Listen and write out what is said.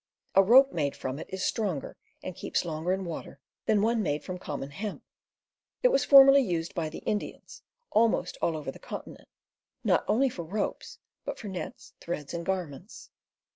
A rope made from it is stronger, and keeps longer in water, than one made from common hemp. It was formerly used by the Indians, almost all over the continent, not only for ropes, but for nets, threads, and garments.